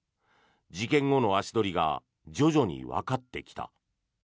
事件後の足取りが徐々にわかってきた。